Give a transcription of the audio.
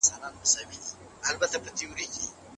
د ټولنيز نظام د بريا لپاره اخلاقي اصولو اړين دي.